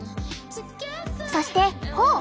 そして頬。